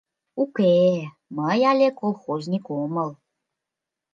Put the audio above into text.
Уке, мый але колхозник омыл...